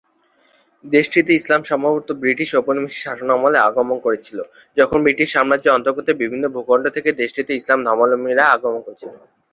দেশটিতে ইসলাম সম্ভবত ব্রিটিশ ঔপনিবেশিক শাসনামলে আগমন করেছিল, যখন ব্রিটিশ সাম্রাজ্যের অন্তর্গত বিভিন্ন ভূখণ্ড থেকে দেশটিতে ইসলাম ধর্মাবলম্বীরা আগমন করেছিল।